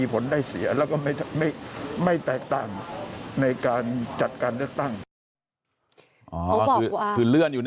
อาจารย์ครับระหว่างวันอาทิตย์ที่หยุด๔วัน